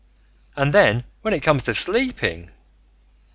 And then when it comes to sleeping!